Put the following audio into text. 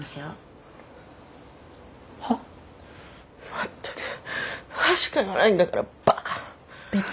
まったく「は」しか言わないんだからバカ！